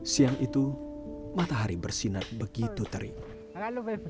siang itu matahari bersinar begitu terik